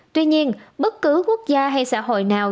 tuy nhiên bất cứ quốc gia hay xã hội nào